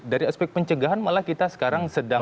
dari aspek pencegahan malah kita sekarang sedang